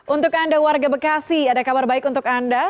untuk anda warga bekasi ada kabar baik untuk anda